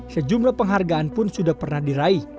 sejumlah penghargaan pun sudah pernah diraih